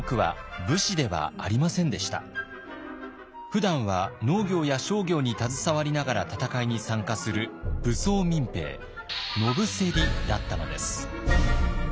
ふだんは農業や商業に携わりながら戦いに参加する武装民兵野伏だったのです。